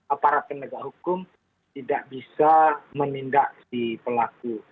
aparat penegak hukum tidak bisa menindak si pelaku